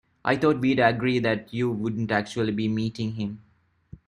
I thought we'd agreed that you wouldn't actually be meeting him?